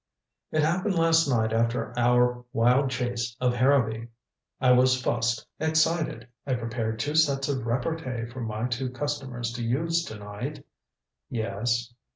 "It happened last night after our wild chase of Harrowby I was fussed excited I prepared two sets of repartee for my two customers to use to night " "Yes?"